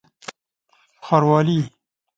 ښاروالي